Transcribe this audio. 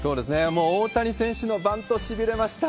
もう大谷選手のバント、しびれました。